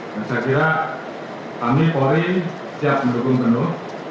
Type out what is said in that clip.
dan saya kira kami polri siap mendukung penuh